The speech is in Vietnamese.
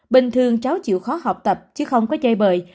bình thường cháu chịu khó học tập chứ không có chơi bời